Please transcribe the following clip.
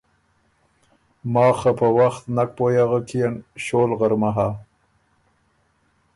ماخ خه په وخت نک پویٛ اغک يېن ـــ ݭول غرمۀ هۀ۔